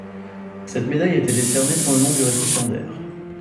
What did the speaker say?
Cette médaille était décernée sans le nom du récipiendaire.